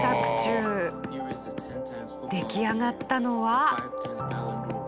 出来上がったのは。